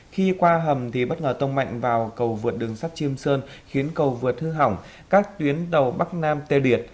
khi qua hầm thì bất ngờ tông mạnh vào cầu vượt đường sắt chiêm sơn khiến cầu vượt hư hỏng các tuyến đầu bắc nam tê liệt